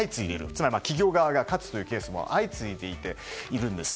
つまり企業側が勝つケースも相次いでいるんです。